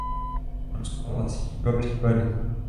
Norsko hlásí již dva případy.